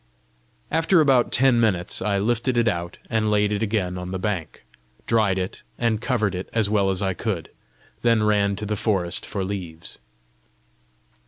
After about ten minutes, I lifted it out and laid it again on the bank, dried it, and covered it as well as I could, then ran to the forest for leaves.